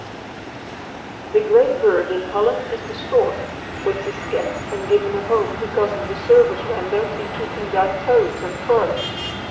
The great bird in Holland is the stork, which is kept and given a home because of the service rendered in keeping down toads and frogs.